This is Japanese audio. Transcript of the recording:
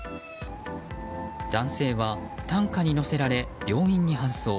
男性は担架に乗せられ病院に搬送。